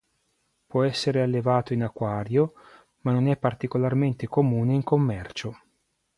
Può essere allevato in acquario ma non è particolarmente comune in commercio.